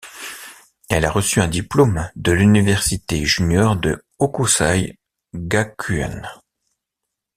Elle a reçu un diplôme de l'université junior de Hokusei Gakuen.